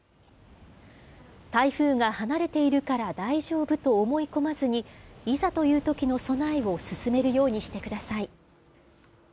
台風が離れているから大丈夫と思い込まずに、いざというときの備えを進めるようにしてください。